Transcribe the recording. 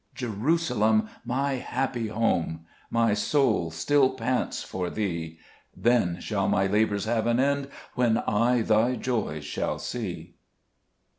6 Jerusalem, my happy home ! My soul still pants for thee : Then shall my labors have an end, When I thy joys shall see.